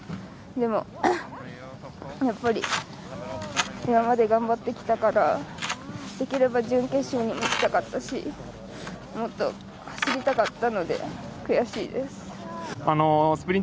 でも、やっぱり今まで頑張ってきたからできれば準決勝にも行きたかったしもっと走りたかったので悔しいです。